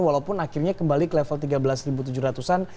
walaupun akhirnya kembali ke level tiga belas tujuh ratus an